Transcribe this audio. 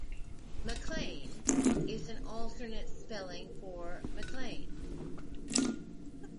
"Maclaine" is an alternate spelling for "McLean.